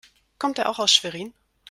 Kommt er auch aus Schwerin?